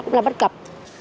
cũng là bất cập